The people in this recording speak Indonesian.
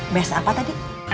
best apa tadi